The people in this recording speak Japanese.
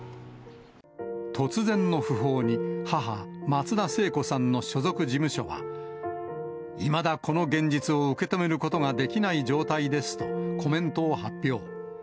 突然の訃報に、母、松田聖子さんの所属事務所は、いまだこの現実を受け止めることができない状態ですとコメントを発表。